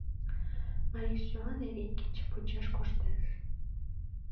Марий сӱан эре кече почеш коштеш.